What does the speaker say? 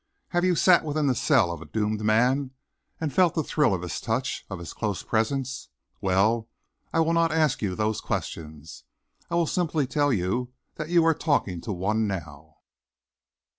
Have you sat within the cell of a doomed man and felt the thrill of his touch, of his close presence? Well, I will not ask you those questions. I will simply tell you that you are talking to one now."